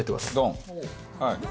はい。